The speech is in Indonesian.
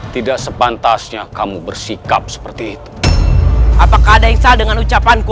tidak sepantasnya kamu bersikap seperti itu apakah ada yang salah dengan ucapanku